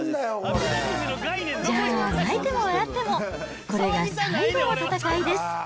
じゃあ、泣いても笑っても、これが最後の戦いです。